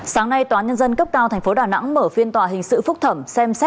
sáng nay tòa đoàn nhân dân cấp cao thành phố đà nẵng mở phiên tòa hình sự phúc thẩm xem xét